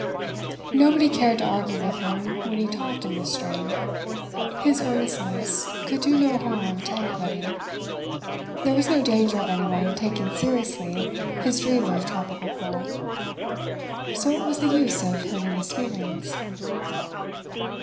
Nobody cared to argue with him when he talked in this strain. His earnestness could do no harm to anybody. There was no danger of anyone taking seriously his dream of tropical coal, so what was the use of hurting his feelings?